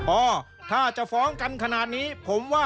สุดท้ายของพ่อต้องรักมากกว่านี้ครับ